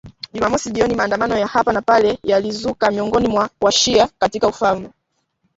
Jumamosi jioni maandamano ya hapa na pale yalizuka miongoni mwa wa-shia katika ufalme